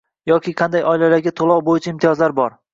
Yoki qanday oilalarga to‘lov bo‘yicha imtiyozlar bor?